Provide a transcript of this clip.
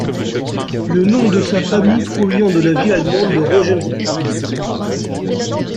Le nom de sa famille provient de la ville allemande de Regensburg.